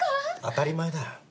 当たり前だ。